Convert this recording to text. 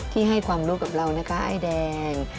ที่ให้ความรู้กับเรานะคะไอ้แดง